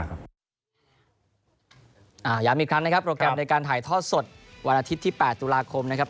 ย้ำอีกครั้งนะครับโปรแกรมในการถ่ายทอดสดวันอาทิตย์ที่๘ตุลาคมนะครับ